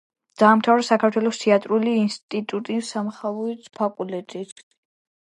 დაამთავრა საქართველოს თეატრალური ინსტიტუტის სამსახიობო ფაკულტეტი.